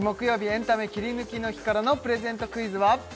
エンタメキリヌキの日からのプレゼントクイズは？